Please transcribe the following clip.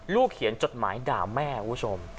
เขียนจดหมายด่าแม่คุณผู้ชม